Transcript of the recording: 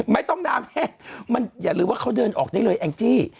ไม่ต้องน้ำแห้งมันอย่าลืมว่าเขาเดินออกได้เลยแองจี้